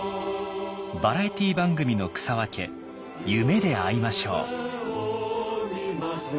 バラエティー番組の草分け「夢であいましょう」。